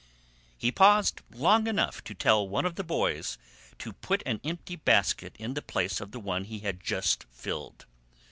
He paused long enough to let one of the boys put an empty basket in the place of the one he had just filled.